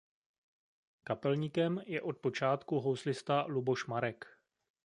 Kapelníkem je od počátku houslista Luboš Marek.